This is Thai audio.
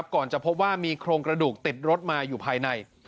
ก่อนจะพบว่ามีโครงกระดูกติดรถมาอยู่ภายใน